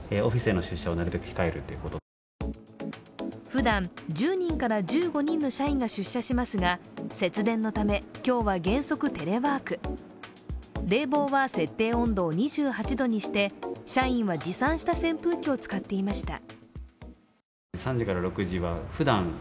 ふだん、１０人から１５人の社員が出社しますが節電のため、今日は原則テレワーク冷房は設定温度を２８度にして社員は持参した扇風機を使っていました。